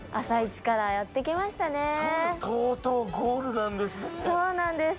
朝イチからやってきましたね。